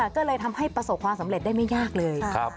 ก็เลยทำให้ประสบความสำเร็จได้ไม่ยากเลย